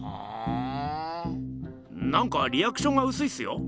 なんかリアクションがうすいっすよ？